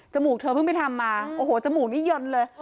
มูกเธอเพิ่งไปทำมาโอ้โหจมูกนี้เยินเลย